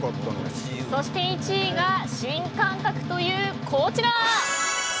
そして１位が新感覚というこちら。